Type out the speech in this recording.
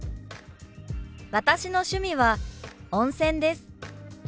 「私の趣味は温泉です」。